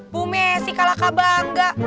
bu messi kalah kabar enggak